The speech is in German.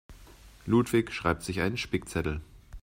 Ludwig schreibt sich einen Spickzettel.